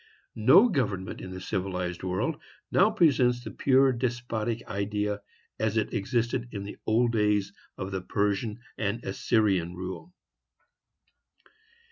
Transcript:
No government in the civilized world now presents the pure despotic idea, as it existed in the old days of the Persian and Assyrian rule.